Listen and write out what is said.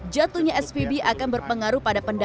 jatuhnya spb akan berpengaruh pada pendanaan